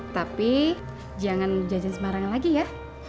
tapi jangan jajan sembarangan lagi ya